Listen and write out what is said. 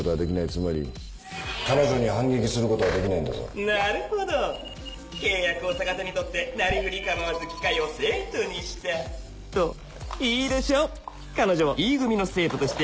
つまり彼女に反撃することはできないんだぞなるほど契約を逆手にとってなりふり構わず機械を生徒にしたといいでしょう彼女をＥ組の生徒として歓迎します